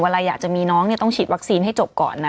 เวลาอยากจะมีน้องเนี่ยต้องฉีดวัคซีนให้จบก่อนนะ